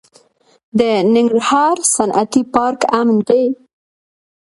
د ننګرهار صنعتي پارک امن دی؟